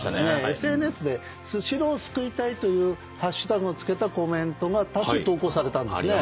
ＳＮＳで「スシローを救いたい」というハッシュタグを付けたコメントが多数投稿されたんですね。